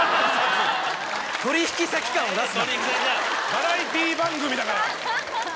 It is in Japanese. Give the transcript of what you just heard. バラエティー番組だから！